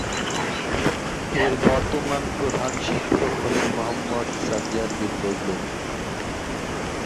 এর বর্তমান প্রধান শিক্ষক হলেন মোহাম্মদ আব্দুর রাজ্জাক।